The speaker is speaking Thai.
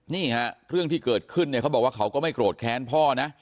นี่ฮะเรื่องที่เกิดขึ้นเนี่ยเขาบอกว่าเขาก็ไม่โกรธแค้นพ่อนะ